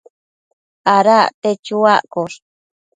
Ada acte chuaccosh